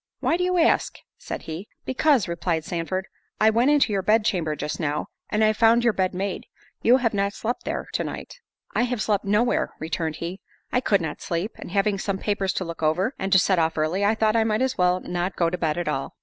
"Why do you ask!" said he. "Because," replied Sandford, "I went into your bed chamber just now, and I found your bed made. You have not slept there to night." "I have slept no where," returned he; "I could not sleep—and having some papers to look over, and to set off early, I thought I might as well not go to bed at all."